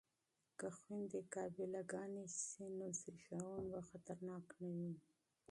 که خویندې قابله ګانې شي نو زیږون به خطرناک نه وي.